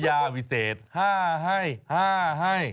ยาวิเศษห้าวววววววว